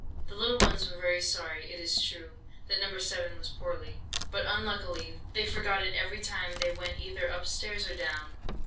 The little ones were very sorry, it is true, that No. 7 was poorly; but, unluckily, they forgot it every time they went either up stairs or down.